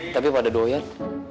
tapi pada doyan